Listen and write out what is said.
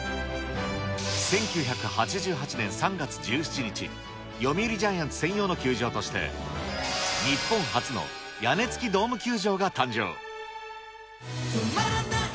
１９８８年３月１７日、読売ジャイアンツ専用の球場として、日本初の屋根付きドーム球場が誕生。